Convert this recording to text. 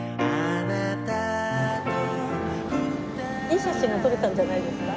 いい写真が撮れたんじゃないですか？